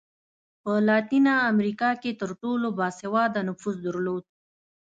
په لاتینه امریکا کې تر ټولو با سواده نفوس درلود.